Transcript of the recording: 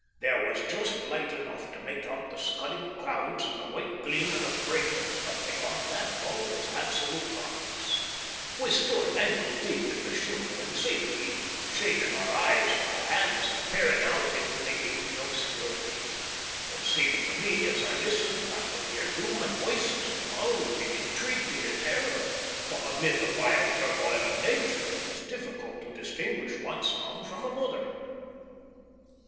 There was just light enough to make out the scudding clouds and the white gleam of the breakers, but beyond that all was absolute darkness. We stood ankle deep in the shingle and seaweed, shading our eyes with our hands and peering out into the inky obscurity. It seemed to me as I listened that I could hear human voices loud in intreaty and terror, but amid the wild turmoil of Nature it was difficult to distinguish one sound from another.